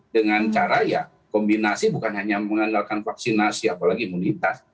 dengan cara ya kombinasi bukan hanya mengandalkan vaksinasi apalagi imunitas